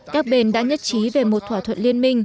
các bên đã nhất trí về một thỏa thuận liên minh